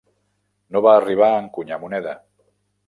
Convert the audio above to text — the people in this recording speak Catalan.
No va arribar a encunyar moneda.